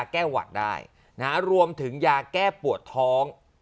กินเต่าทอง